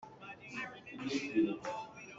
Kan mit a kuut tuk hnu ahcun kan hlau kho ti lo.